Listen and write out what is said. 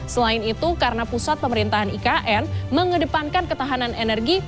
selain itu karena pusat pemerintahan ikn mengedepankan ketahanan energi